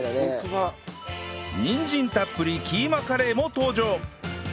にんじんたっぷりキーマカレーも登場！